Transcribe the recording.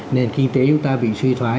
nên kinh tế của chúng ta bị suy thoái